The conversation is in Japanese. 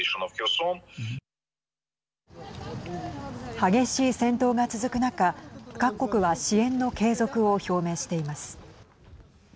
激しい戦闘が続く中各国は支援の継続を表明しています。